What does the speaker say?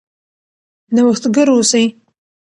نوښتګر اوسئ.